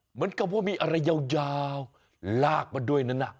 เหมือนกับว่ามีอะไรยาวลากมาด้วยนั้น